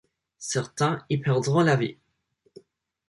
Certains y perdront la vie.